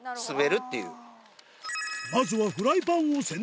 まずはフライパンを選択